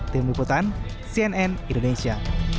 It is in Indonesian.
tim liputan cnn indonesia